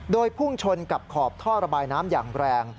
โดยพุ่งชนกับขอบท่อระบายน้ำอย่างแรง